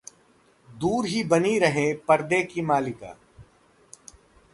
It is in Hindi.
दूर ही बनी रहीं परदे की मलिका